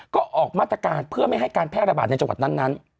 ก็ออกมาตรการเพื่อไม่ให้การแพร่ระบาดในจังหวัดนั้น